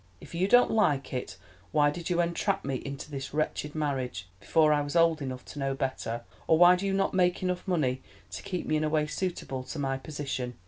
If you don't like it, why did you entrap me into this wretched marriage, before I was old enough to know better, or why do you not make enough money to keep me in a way suitable to my position?"